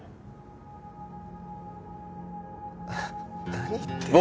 何言ってんだよ。